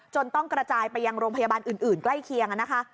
ต้องกระจายไปยังโรงพยาบาลอื่นใกล้เคียงนะคะ